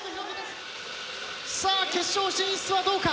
さあ決勝進出はどうか！